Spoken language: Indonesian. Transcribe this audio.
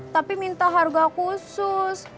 tapi minta harga khusus